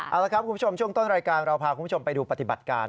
เอาละครับคุณผู้ชมช่วงต้นรายการเราพาคุณผู้ชมไปดูปฏิบัติการ